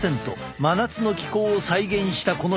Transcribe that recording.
真夏の気候を再現したこの部屋で。